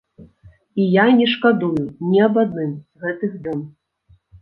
І я не шкадую ні аб адным з гэтых дзён.